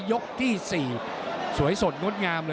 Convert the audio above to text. โอ้โหโอ้โหโอ้โห